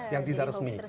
yang tidak resmi